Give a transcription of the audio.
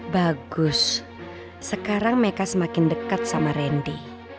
bagus sekarang mereka semakin dekat sama randy